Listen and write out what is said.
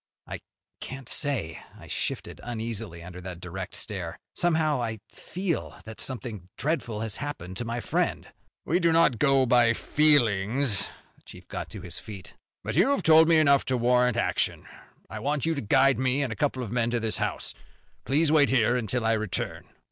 "I can't say." I shifted uneasily under that direct stare. "Somehow I feel that something dreadful has happened to my friend." "We do not go by feelings." The chief got to his feet. "But you have told me enough to warrant action. I want you to guide me and a couple of men to this house. Please wait here until I return."